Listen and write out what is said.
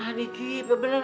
adik ya bener